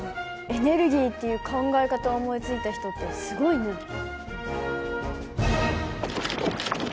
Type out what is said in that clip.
エネルギーっていう考え方を思いついた人ってすごいね。